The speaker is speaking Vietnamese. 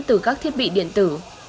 từ các thiết bị điện tử